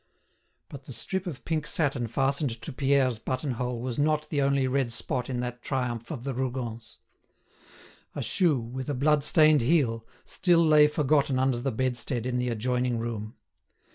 But the strip of pink satin fastened to Pierre's button hole was not the only red spot in that triumph of the Rougons. A shoe, with a blood stained heel, still lay forgotten under the bedstead in the adjoining room.